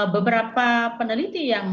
beberapa peneliti yang